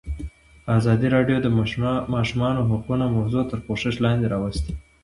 ازادي راډیو د د ماشومانو حقونه موضوع تر پوښښ لاندې راوستې.